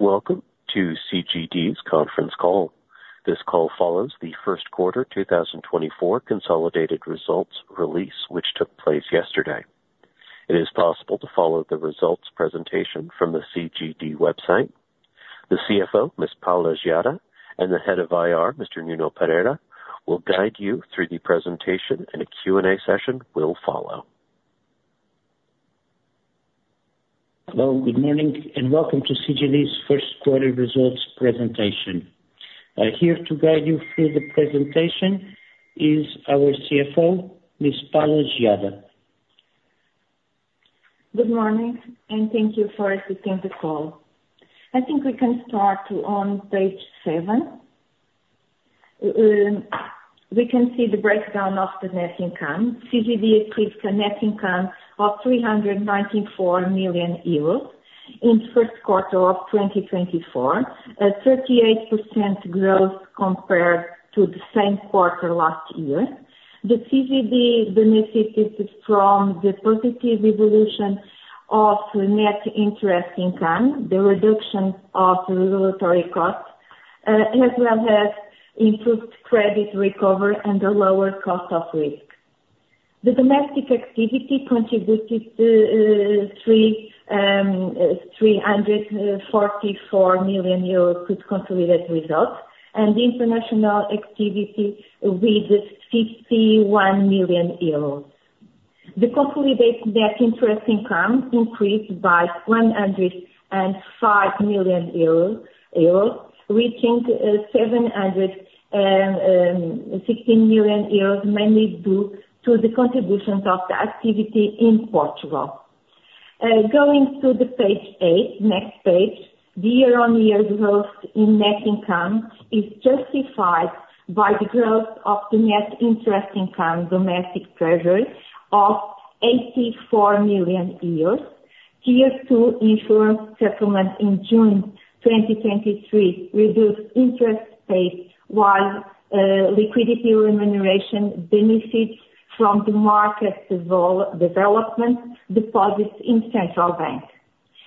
Welcome to CGD's conference call. This call follows the first quarter 2024 consolidated results release, which took place yesterday. It is possible to follow the results presentation from the CGD website. The CFO, Ms. Paula Geada, and the Head of IR, Mr. Nuno Pereira, will guide you through the presentation and a Q&A session will follow. Hello, good morning, and welcome to CGD's first quarter results presentation. Here to guide you through the presentation is our CFO, Ms. Paula Geada. Good morning, and thank you for accepting the call. I think we can start on Page seven. We can see the breakdown of the net income. CGD achieved a net income of 394 million euros in first quarter of 2024, at 38% growth compared to the same quarter last year. The CGD benefited from the positive evolution of the net interest income, the reduction of the regulatory costs, as well as improved credit recovery and a lower cost of risk. The domestic activity contributed to 344 million euros to consolidated results, and the international activity with 51 million euros. The consolidated net interest income increased by 105 million euros, reaching 716 million euros, mainly due to the contributions of the activity in Portugal. Going to Page eight, next page. The year-on-year growth in net income is justified by the growth of the net interest income, domestic treasury of 84 million euros, Tier 2 issuance settlement in June 2023, reduced interest paid, while liquidity remuneration benefits from the market development deposits in central bank.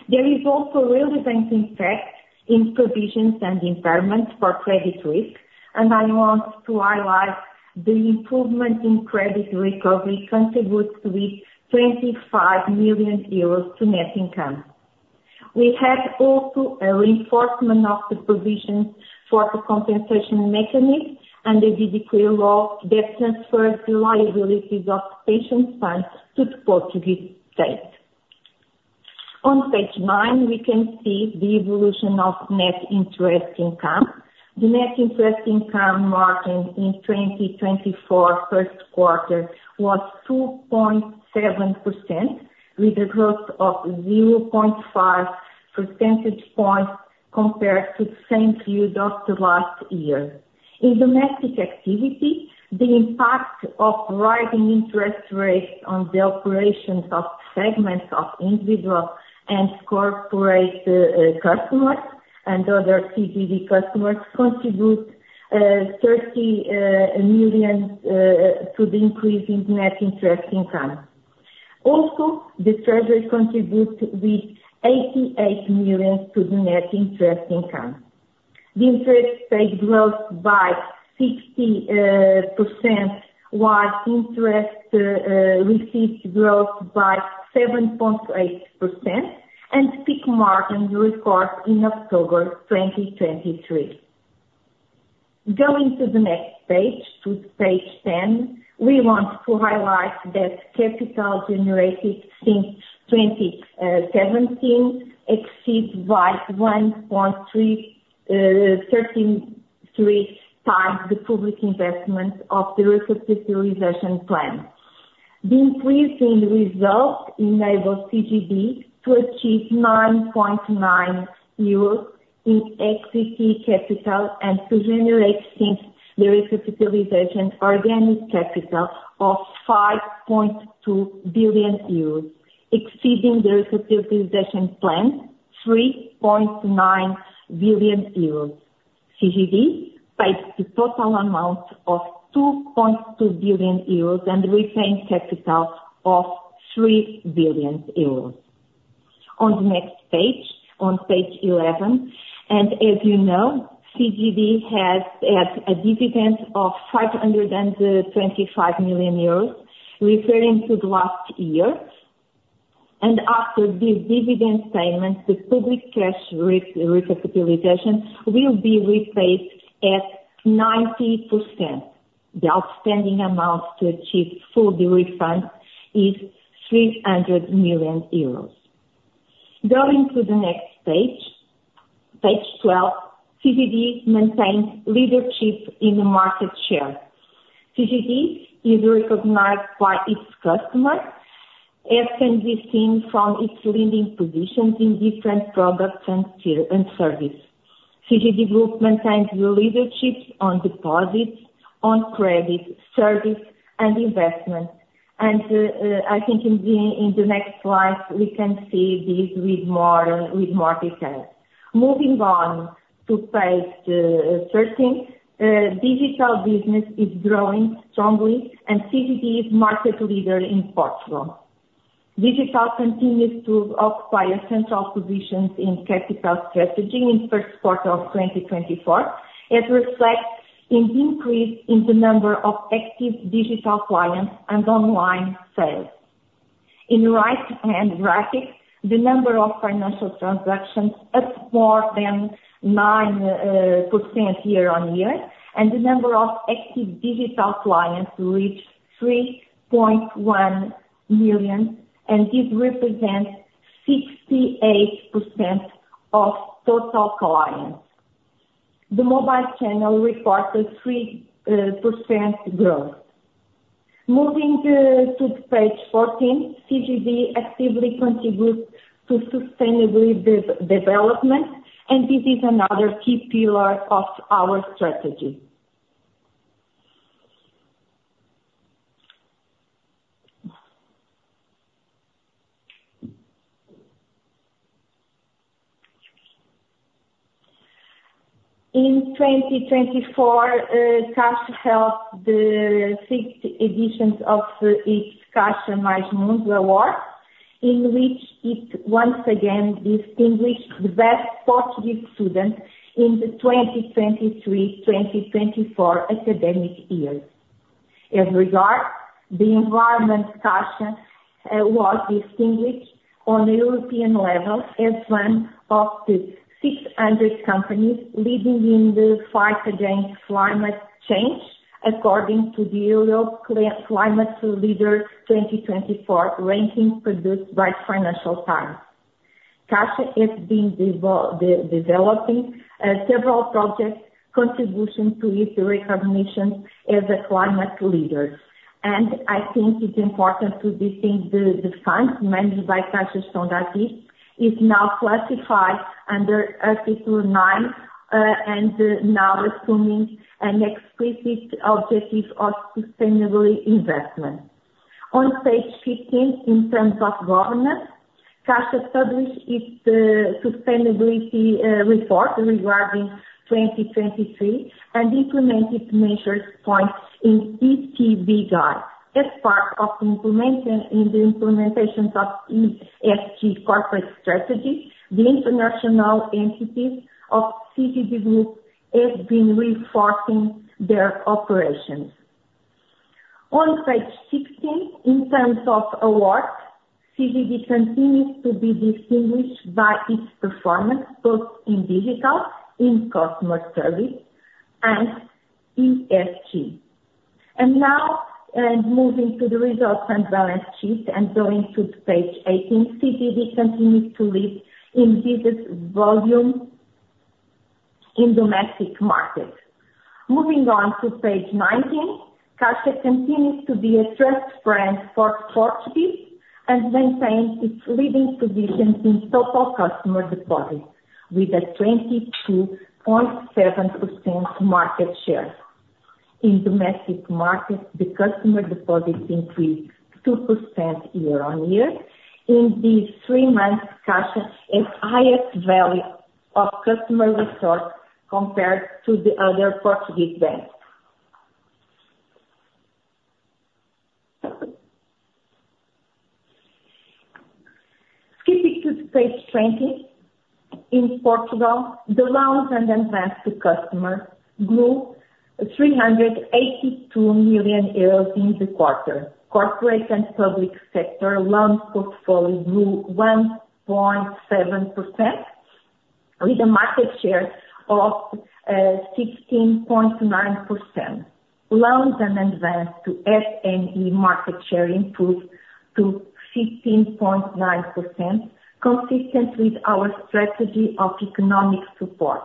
There is also real event impact in provisions and impairments for credit risk, and I want to highlight the improvement in credit recovery contributes with 25 million euros to net income. We had also a reinforcement of the provisions for the compensation mechanism and the Decree-Law that transfers the liabilities of pension funds to the Portuguese state. On Page nine, we can see the evolution of net interest income. The net interest income margin in 2024, first quarter, was 2.7%, with a growth of 0.5 percentage points compared to the same period of last year. In domestic activity, the impact of rising interest rates on the operations of segments of individual and corporate, customers and other CGD customers contribute thirty million to the increase in net interest income. Also, the treasury contributes with eighty-eight million to the net interest income. The interest paid growth by 60%, while interest receipts growth by 7.8%, and peak margin recorded in October 2023. Going to the next page, to Page 10, we want to highlight that capital generated since twenty seventeen exceeds by 1.3x the public investment of the recapitalization plan. The increase in results enabled CGD to achieve 9.9 euros in equity capital and to generate, since the recapitalization, organic capital of 5.2 billion euros, exceeding the recapitalization plan three point nine billion euros. CGD paid the total amount of 2.2 billion euros and retained capital of 3 billion euros. On the next page, on Page 11, and as you know, CGD has had a dividend of 525 million euros referring to the last year. After this dividend payment, the public cash recapitalization will be repaid at 90%. The outstanding amount to achieve full refund is 600 million euros. Going to the next page, Page 12. CGD maintains leadership in the market share. CGD is recognized by its customers, as can be seen from its leading positions in different products and services. CGD Group maintains the leadership on deposits, on credit, service, and investment. And, I think in the next slide, we can see this with more detail. Moving on to Page 13. Digital business is growing strongly and CGD is market leader in Portugal. Digital continues to occupy a central position in CGD strategy in first quarter of 2024, as reflects an increase in the number of active digital clients and online sales. In the right-hand graphic, the number of financial transactions up more than 9% year on year, and the number of active digital clients reached 3.1 million, and this represents 68% of total clients. The mobile channel reported 3% growth. Moving to Page 14, CGD actively contributes to sustainable development, and this is another key pillar of our strategy. In 2024, Caixa held the sixth edition of its Caixa Mais Mundo Award, in which it once again distinguished the best Portuguese student in the 2023/2024 academic year. As regards the environment, Caixa was distinguished on the European level as one of the 600 companies leading in the fight against climate change, according to the Europe's Climate Leaders 2024 ranking produced by Financial Times. Caixa has been developing several projects contributing to its recognition as a climate leader. And I think it's important to distinguish the fund managed by Caixa is now classified under Article 9 and now assuming an explicit objective of sustainable investment. On Page 15, in terms of governance, Caixa published its sustainability report regarding 2023, and implemented measures points in ECB Guide. As part of implementation, in the implementations of ESG corporate strategy, the international entities of CGD Group has been reinforcing their operations. On Page 16, in terms of awards, CGD continues to be distinguished by its performance, both in digital, in customer service, and ESG. And now, and moving to the results and balance sheet, and going to Page 18, CGD continues to lead in business volume in domestic markets. Moving on to Page 19, Caixa continues to be a trust brand for Portuguese, and maintains its leading position in total customer deposits, with a 22.7% market share. In domestic markets, the customer deposits increased 2% year-on-year. In these three months, Caixa has highest value of customer resource compared to the other Portuguese banks. Skipping to Page 20, in Portugal, the loans and advance to customer grew 382 million euros in the quarter. Corporate and public sector loan portfolio grew 1.7%, with a market share of sixteen point nine percent. Loans and advance to SME market share improved to 15.9%, consistent with our strategy of economic support.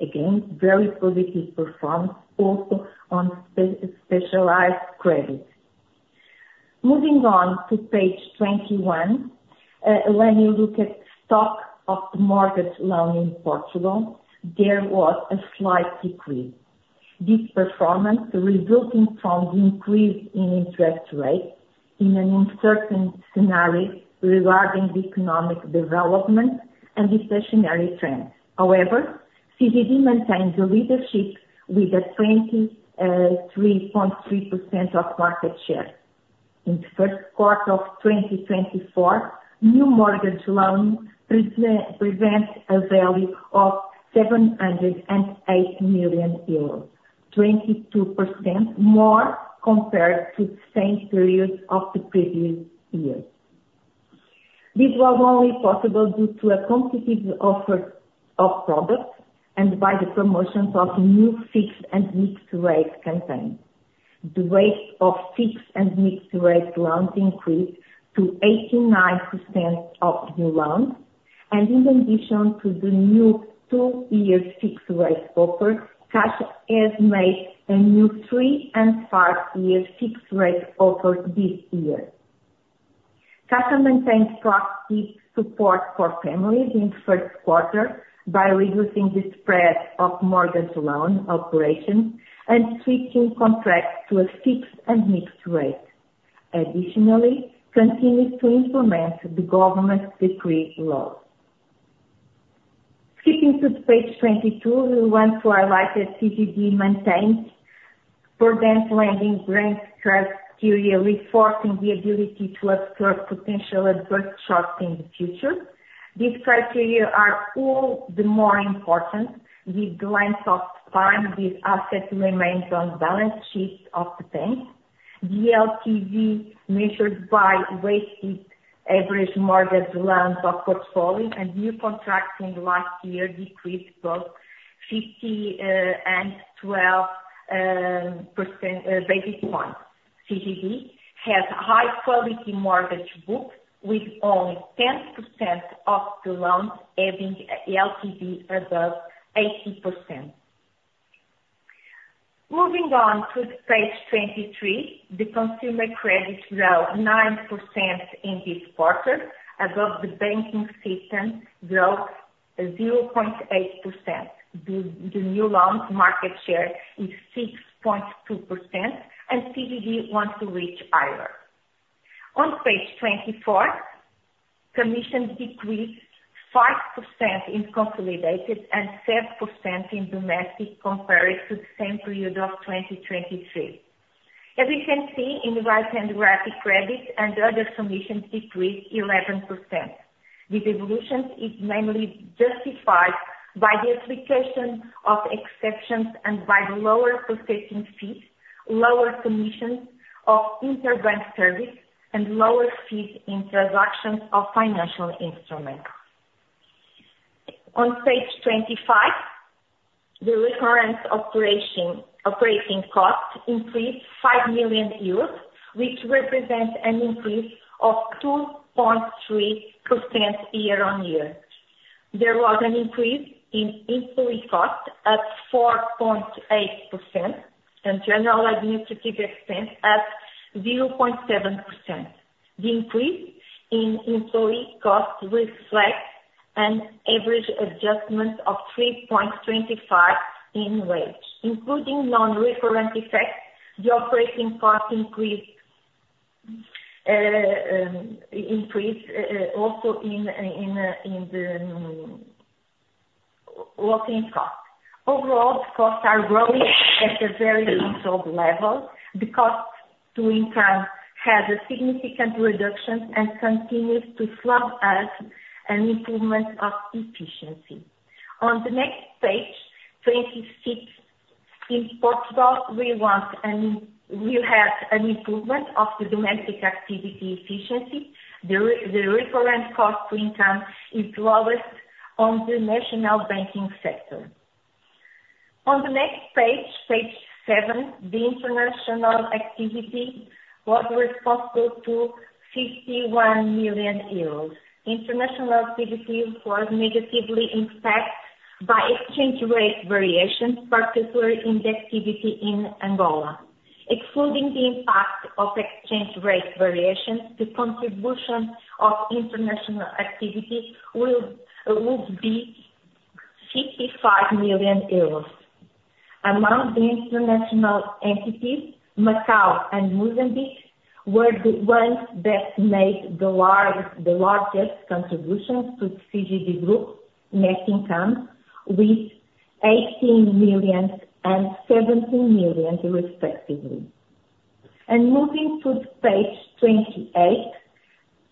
Again, very positive performance, also on specialized credit. Moving on to Page 21, when you look at stock of the mortgage loan in Portugal, there was a slight decrease. This performance resulting from the increase in interest rates in an uncertain scenario regarding the economic development and the stationary trend. However, CGD maintains a leadership with a 23.3% of market share. In the first quarter of 2024, new mortgage loans presents a value of 708 million euros, 22% more compared to the same period of the previous year. This was only possible due to a competitive offer of products, and by the promotions of new fixed and mixed rate campaign. The rate of fixed and mixed rate loans increased to 89% of new loans. In addition to the new two-year fixed rate offer, Caixa has made a new three and five-year fixed rate offer this year. Caixa maintains proactive support for families in first quarter by reducing the spread of mortgage loan operations and switching contracts to a fixed and mixed rate. Additionally, continues to implement the government's decree-laws. Skipping to Page 22, we want to highlight that CGD maintains prudent lending grant criteria, reinforcing the ability to absorb potential adverse shocks in the future. These criteria are all the more important with the length of time these assets remains on balance sheet of the bank. The LTV measured by weighted average mortgage loans of portfolio and new contracts in the last year decreased both 50 and 12 basis points. CGD has high quality mortgage book, with only 10% of the loans having LTV above 80%. Moving on to Page 23, the consumer credit grew 9% in this quarter, above the banking system growth 0.8%. The new loans market share is 6.2%, and CGD wants to reach higher. On Page 24, commission decreased 5% in consolidated and 7% in domestic, compared to the same period of 2023. As you can see in the right-hand graphic, credit and other commissions decreased 11%. This evolution is mainly justified by the application of exceptions and by lower processing fees, lower commissions of interbank service, and lower fees in transactions of financial instruments. On Page 25, the recurrent operating costs increased 5 million euros, which represents an increase of 2.3% year-over-year. There was an increase in employee costs at 4.8% and general administrative expense at 0.7%. The increase in employee costs reflects an average adjustment of 3.25 in wage, including non-recurrent effects, the operating costs increased also in the working costs. Overall, the costs are growing at a very controlled level. The cost-to-income has a significant reduction and continues to show us an improvement of efficiency. On the next Page, 26, in Portugal, we have an improvement of the domestic activity efficiency. The recurrent cost-to-income is lowest on the national banking sector. On the next page, Page 27, the international activity was responsible to 51 million euros. International activity was negatively impacted by exchange rate variations, particularly in the activity in Angola. Excluding the impact of exchange rate variations, the contribution of international activity will be 55 million euros. Among the international entities, Macau and Mozambique were the ones that made the largest contributions to CGD Group net income, with 18 million and 17 million respectively. Moving to Page 28,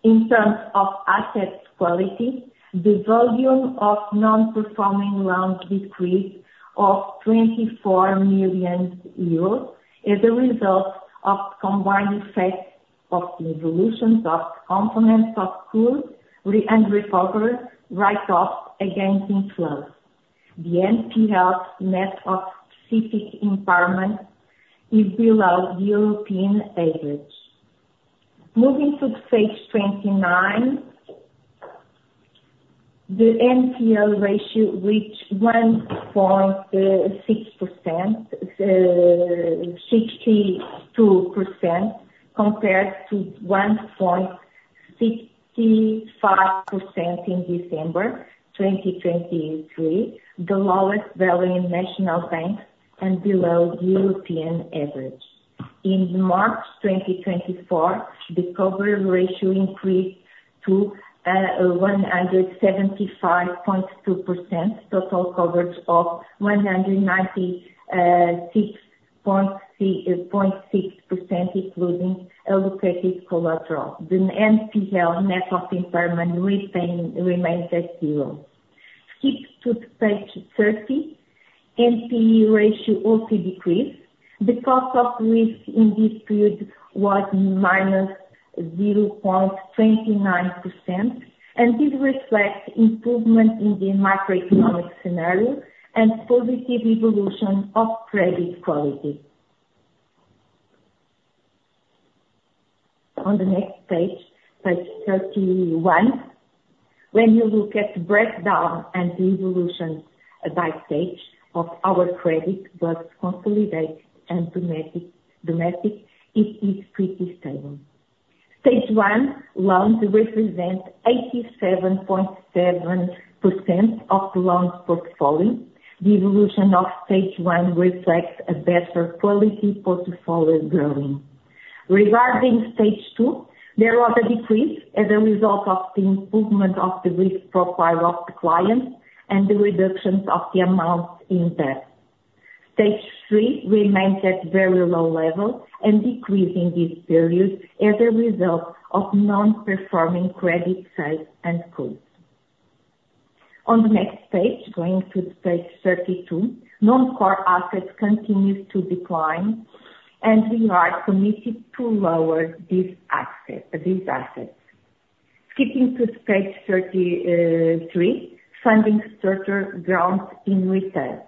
in terms of asset quality, the volume of non-performing loans decreased of 24 million euros, as a result of combined effects of the evolutions of components of cure, and recovery, write-off against inflows. The NPL net of specific impairment is below the European average. Moving to Page 29, the NPL ratio reached 1.62%, compared to 1.65% in December 2023, the lowest value in national bank and below European average. In March 2024, the coverage ratio increased to 175.2%, total coverage of 196.6%, including allocated collateral. The NPL net of impairment remains at zero. Skip to Page 30. NPE ratio also decreased. The cost of risk in this period was -0.29%, and this reflects improvement in the macroeconomic scenario and positive evolution of credit quality. On the next page, Page 31, when you look at the breakdown and the evolution by stage of our credit, both consolidate and domestic, domestic, it is pretty stable. Stage one loans represent 87.7% of the loans portfolio. The evolution of stage one reflects a better quality portfolio growing.... Regarding stage two, there was a decrease as a result of the improvement of the risk profile of the clients and the reductions of the amount in debt. Stage three remains at very low level and decreasing this period as a result of non-performing credit sales and costs. On the next page, going to Page 32, non-core assets continues to decline, and we are committed to lower this asset, these assets. Skipping to Page 33, funding structure growth in retail.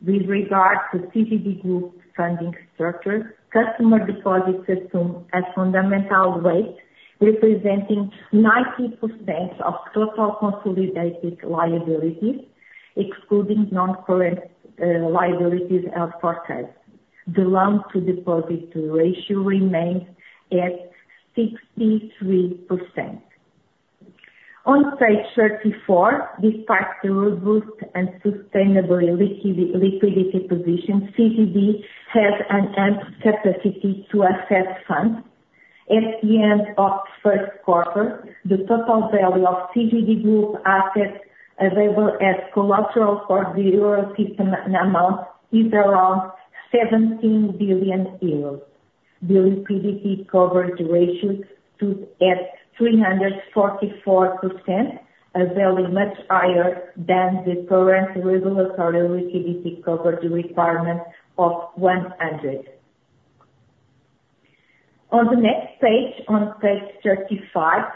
With regard to CGD group funding structure, customer deposits assume a fundamental rate, representing 90% of total consolidated liabilities, excluding non-current liabilities as per case. The loan to deposit ratio remains at 63%. On Page 34, this part, the robust and sustainable liquidity position, CGD has an ample capacity to access funds. At the end of first quarter, the total value of CGD group assets available as collateral for the Eurosystem amount is around 17 billion euros. The liquidity coverage ratio stood at 344%, a value much higher than the current regulatory liquidity coverage requirement of 100%. On the next page, on Page 35,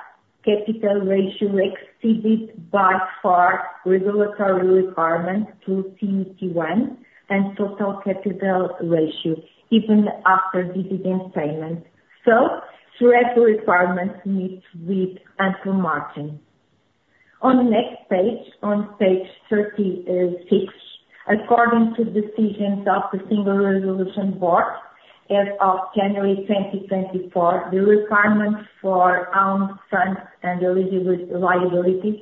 capital ratio exceeded by far regulatory requirement to CET1 and total capital ratio, even after dividend payment. So through every requirement meets with ample margin. On the next page, on Page 36, according to decisions of the Single Resolution Board, as of January 2024, the requirements for own funds and eligible liabilities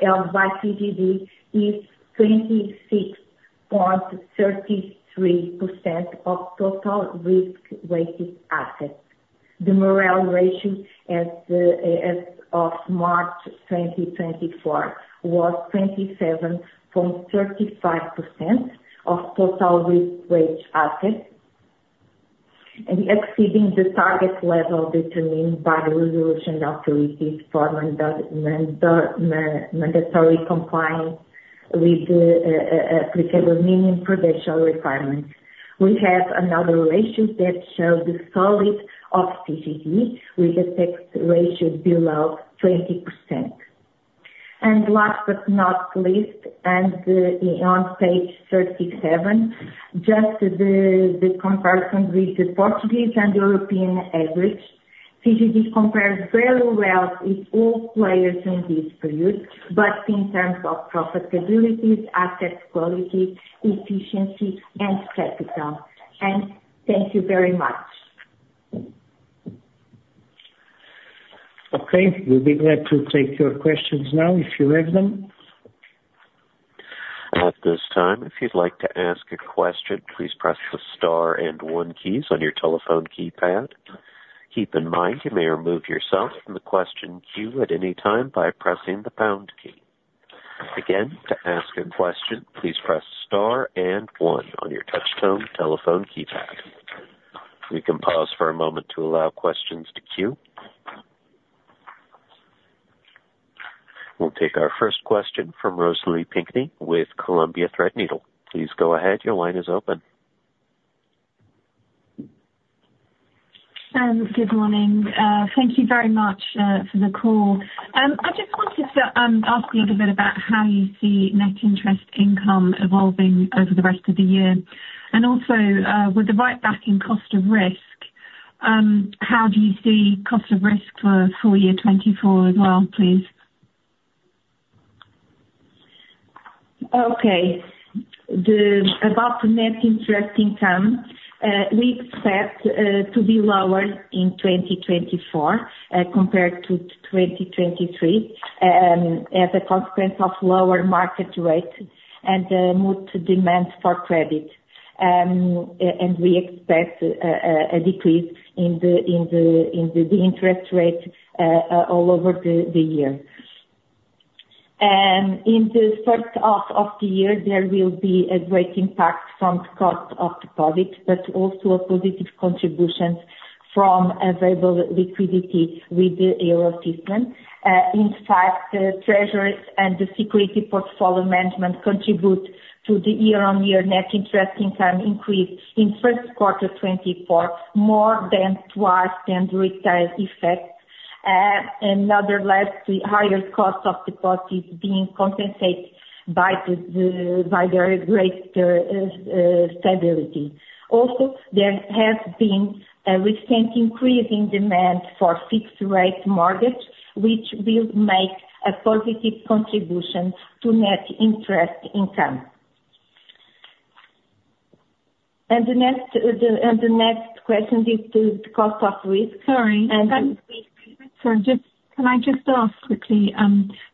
held by CGD is 26.33% of total risk-weighted assets. The MREL ratio as of March 2024, was 27.35% of total risk-weighted assets, and exceeding the target level determined by the resolution authority for mandatorily complying with the applicable minimum prudential requirements. We have another ratio that shows the solvency of CGD, with the CET1 ratio below 20%. Last but not least, on Page 37, just the comparison with the Portuguese and European average. CGD compares very well with all players in this period, but in terms of profitability, asset quality, efficiency, and capital. And thank you very much. Okay, we'll be glad to take your questions now, if you have them. At this time, if you'd like to ask a question, please press the star and one keys on your telephone keypad. Keep in mind, you may remove yourself from the question queue at any time by pressing the pound key. Again, to ask a question, please press star and one on your touchtone telephone keypad. We can pause for a moment to allow questions to queue. We'll take our first question from Rosalie Pinkney with Columbia Threadneedle. Please go ahead. Your line is open. Good morning. Thank you very much for the call. I just wanted to ask a little bit about how you see net interest income evolving over the rest of the year. Also, with the right backing cost of risk, how do you see cost of risk for full year 2024 as well, please? Okay. About the net interest income, we expect to be lower in 2024, compared to 2023, as a consequence of lower market rates and more demand for credit. And we expect a decrease in the interest rate all over the year. And in the first half of the year, there will be a great impact from cost of deposits, but also a positive contributions from available liquidity with the Euro system. In fact, the treasuries and the security portfolio management contribute to the year-on-year net interest income increase in first quarter 2024, more than twice the retail effect. Nevertheless, the higher cost of deposits being compensated by the greater stability. Also, there has been a recent increase in demand for fixed rate mortgage, which will make a positive contribution to Net Interest Income. And the next question is the cost of risk- Sorry, sorry, just... Can I just ask quickly,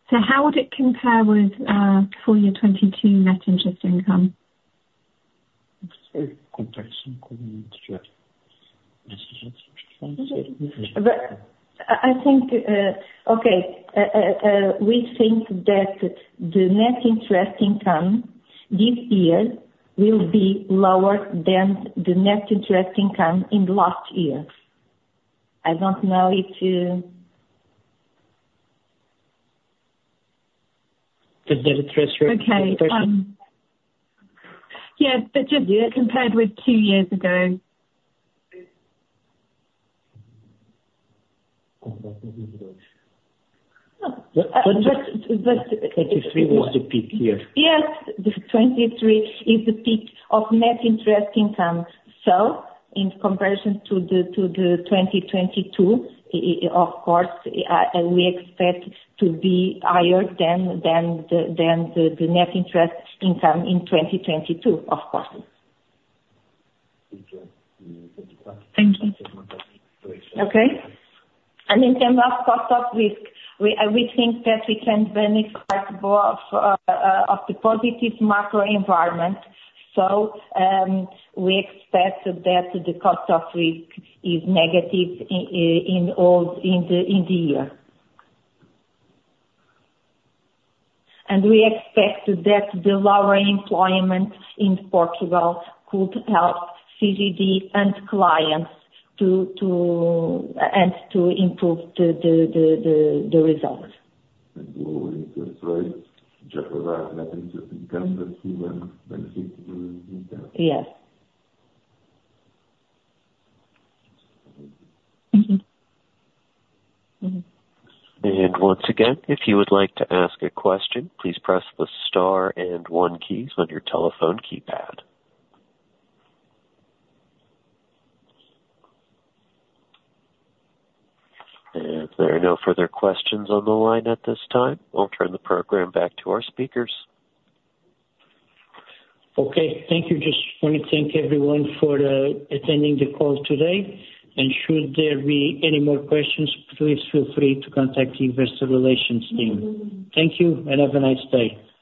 so how would it compare with full year 2022 net interest income?... But I think, okay, we think that the Net Interest Income this year will be lower than the Net Interest Income in last year. I don't know if you- The interest rate? Okay, yes, but just compared with two years ago. But, but, but- 2023 was the peak year. Yes, 2023 is the peak of net interest income. So in comparison to 2022, of course, we expect to be higher than the net interest income in 2022, of course. Thank you. Okay. And in terms of cost of risk, we think that we can benefit more of the positive macro environment. So, we expect that the cost of risk is negative in all, in the year. And we expect that the lower unemployment in Portugal could help CGD and clients to and to improve the results. Lower interest rates, just nothing to become the human benefit. Yes. Mm-hmm. Mm-hmm. Once again, if you would like to ask a question, please press the star and one keys on your telephone keypad. There are no further questions on the line at this time. I'll turn the program back to our speakers. Okay. Thank you. Just want to thank everyone for attending the call today, and should there be any more questions, please feel free to contact the investor relations team. Thank you, and have a nice day.